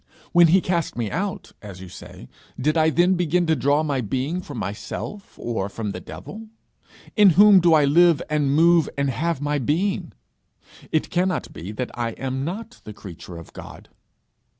When he cast me out, as you say, did I then begin to draw my being from myself or from the devil? In whom do I live and move and have my being? It cannot be that I am not the creature of God.'